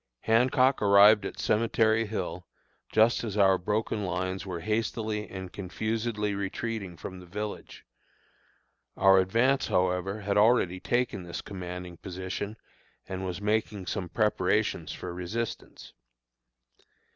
Hancock arrived at Cemetery Hill just as our broken lines were hastily and confusedly retreating from the village; our advance, however, had already taken this commanding position and was making some preparation for resistance.